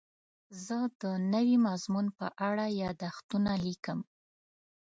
زه د نوي مضمون په اړه یادښتونه لیکم.